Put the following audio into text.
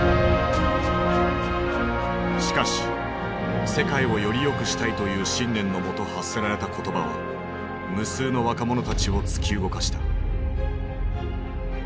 しかし「世界をよりよくしたい」という信念のもと発せられた言葉は無数の若者たちを突き動かした。